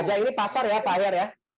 aja ini pasar ya pak her ya